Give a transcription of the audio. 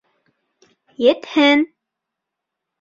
Етһен!